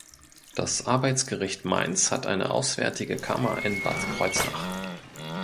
Das Arbeitsgericht Mainz hat eine auswärtige Kammer in Bad Kreuznach.